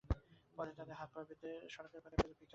পরে তাঁদের হাত-পা বেঁধে সড়কের পাশে ফেলে পিকআপ নিয়ে পালিয়ে যায়।